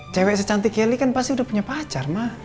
cewek secantik kelly kan pasti udah punya pacar ma